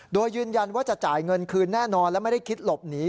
โดยยืนยันว่าจะจ่ายเงินคืนแน่นอนและไม่ได้คิดหลบหนี